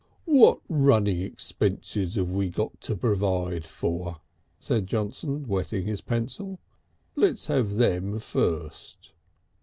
"What running expenses have we got to provide for?" said Johnson, wetting his pencil. "Let's have them first.